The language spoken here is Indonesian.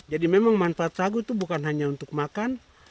jadi memang manfaat sagu itu bukan hanya untuk makan